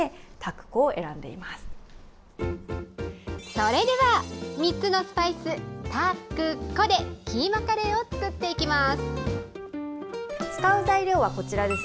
それでは３つのスパイス、タクコでキーマカレーを作っていきます。